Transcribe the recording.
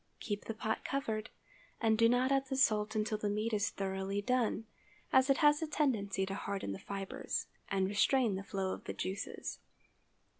_ Keep the pot covered, and do not add the salt until the meat is thoroughly done, as it has a tendency to harden the fibres, and restrain the flow of the juices.